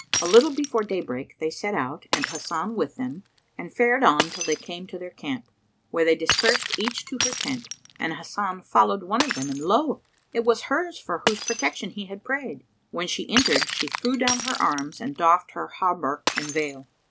A little before daybreak, they set out, and Hasan with them, and fared on till they came to their camp, where they dispersed each to her tent, and Hasan followed one of them and lo! it was hers for whose protection he had prayed. When she entered, she threw down her arms and doffed her hauberk and veil.